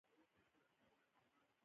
مېز د زاړه پلار کتاب ایښودلو لپاره وي.